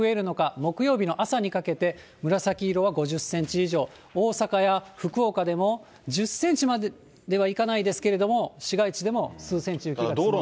木曜日の朝にかけて、紫色は５０センチ以上、大阪や福岡でも１０センチまではいかないですけれども、市街地でも数センチ雪が積もるおそれが。